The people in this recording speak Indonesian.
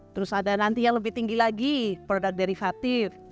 terus ada nanti yang lebih tinggi lagi produk derivatif